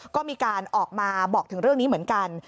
ก็มีการออกมาบอกถึงเรื่องนี้เหมือนกัน